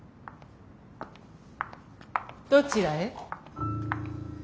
どちらへ？